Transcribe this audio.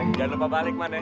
jangan lupa balik man ya